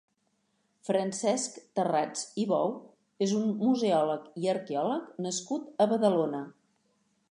Francesc Tarrats i Bou és un museòleg i arqueòleg nascut a Badalona.